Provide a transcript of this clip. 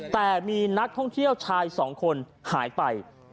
แต่มีนักท่องเที่ยวชายสองคนหายไป